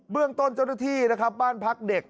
เรื่องต้นเจ้าหน้าที่นะครับบ้านพักเด็ก